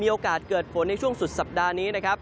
โอกาสเกิดฝนในช่วงสุดสัปดาห์นี้นะครับ